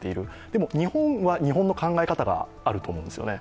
でも、日本は日本の考え方はあると思うんですよね。